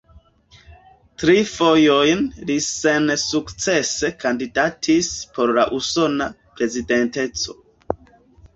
Tri fojojn li sensukcese kandidatis por la usona prezidenteco.